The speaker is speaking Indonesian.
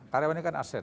karyawannya kan aset